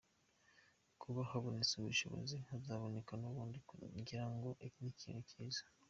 Kuba habonetse ubushobozi hazanaboneka n’ubundi ngira ngo ni ikintu cyiza.